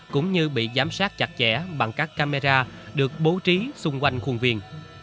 cũng như bị giám sát chặt chẽ bằng các camera được bố trí xung quanh khuôn viên